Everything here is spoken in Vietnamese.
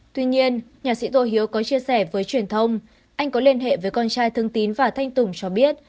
tuy nhiên nhạc sĩ tô hiếu có chia sẻ với truyền thông anh có liên hệ với con trai thương tín và thanh tùng cho biết